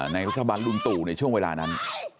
ในรัฐบาลลุงตู่ในช่วงเวลานั้น